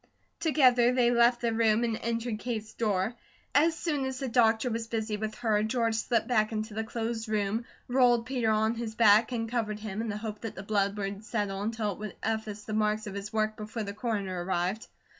Together they left the room and entered Kate's door. As soon as the doctor was busy with her, George slipped back into the closed room, rolled Peter on his back and covered him, in the hope that the blood would settle until it would efface the marks of his work before the Coroner arrived.